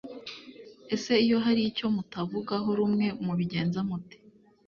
ese iyo hari icyo mutavugaho rumwe mubigenza mute